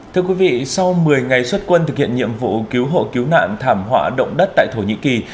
thưa quý vị sau một mươi ngày xuất quân thực hiện nhiệm vụ cứu hộ cứu nạn thảm họa động đất tại thổ nhĩ kỳ